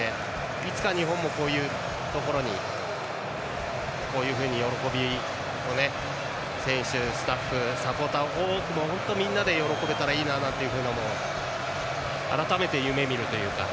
いつか日本も、こういうところにこういうふうに喜びを選手、スタッフ、サポーター多くのみんなで喜べたらいいなということを改めて夢みるというか。